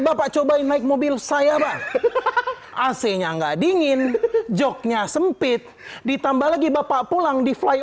bapak cobain naik mobil saya aslinya nggak dingin joknya sempit ditambah lagi bapak pulang di fly